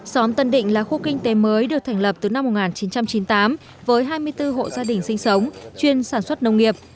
xóm tân định là khu kinh tế mới được thành lập từ năm một nghìn chín trăm chín mươi tám với hai mươi bốn hộ gia đình sinh sống chuyên sản xuất nông nghiệp